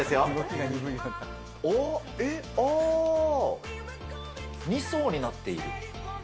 あー、２層になっている。